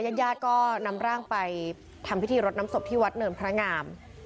ญาติญาติก็นำร่างไปทำพิธีรดน้ำศพที่วัดเนินพระงาม